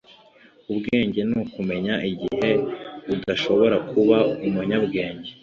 ubwenge ni ukumenya igihe udashobora kuba umunyabwenge